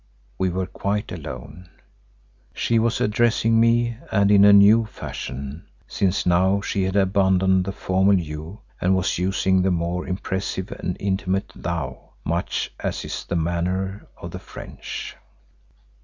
We were quite alone. She was addressing me and in a new fashion, since now she had abandoned the formal "you" and was using the more impressive and intimate "thou," much as is the manner of the French.